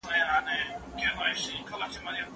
پاڼه چې لوړه وه، لومړۍ ږلۍ هغې خوړلې وه.